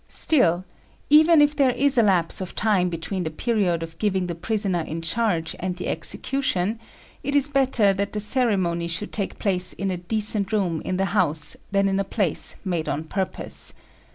Still, even if there is a lapse of time between the period of giving the prisoner in charge and the execution, it is better that the ceremony should take place in a decent room in the house than in a place made on purpose.